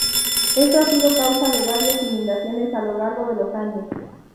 Esto ha sido causa de varias inundaciones a lo largo de los años.